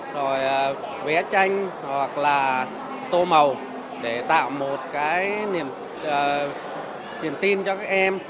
rồi vẽ tranh hoặc là tô màu để tạo một cái niềm tin cho các em